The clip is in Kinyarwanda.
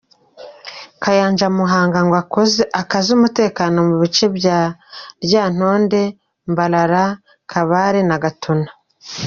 Kayanja Muhanga ngo akaze umutekano mu bice bya Lyantonde, Mbarara, Kabale na Gatuna.